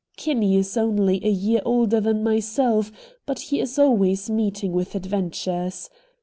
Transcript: Kinney is only a year older than myself, but he is always meeting with adventures.